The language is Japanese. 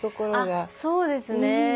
あっそうですね。